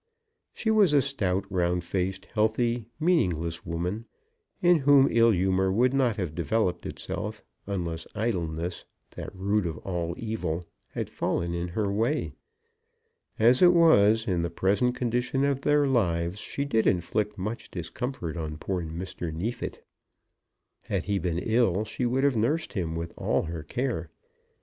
She was a stout, round faced, healthy, meaningless woman, in whom ill humour would not have developed itself unless idleness, that root of all evil, had fallen in her way. As it was, in the present condition of their lives, she did inflict much discomfort on poor Mr. Neefit. Had he been ill, she would have nursed him with all her care.